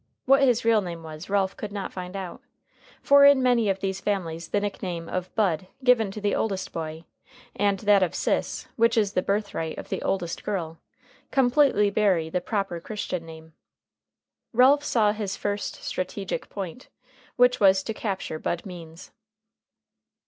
What his real name was, Ralph could not find out, for in many of these families the nickname of "Bud" given to the oldest boy, and that of "Sis," which is the birth right of the oldest girl, completely bury the proper Christian name. Ralph saw his first strategic point, which was to capture Bud Means.